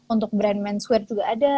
untuk brand mansuate juga ada